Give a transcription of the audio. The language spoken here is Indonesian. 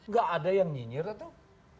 gak ada yang nyinyir atau